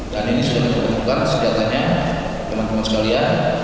dan ini sudah diperlukan senjatanya teman teman sekalian